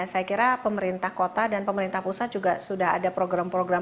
saya kira pemerintah kota dan pemerintah pusat juga sudah ada program program